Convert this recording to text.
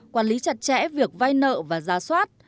quản lý chặt chẽ việc vai nợ và ra soát